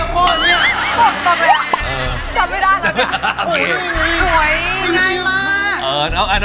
ขอรอย